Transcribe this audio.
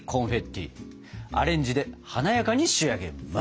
アレンジで華やかに仕上げます！